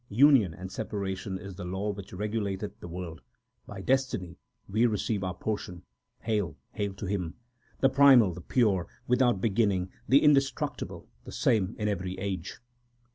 Union and separation is the law which regulateth the world. 3 By destiny we receive our portion. HAIL ! HAIL TO HIM, The primal, the pure, without beginning, the indestruc tible, the same in every age